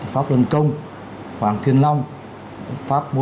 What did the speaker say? pháp lân công hoàng thiên long pháp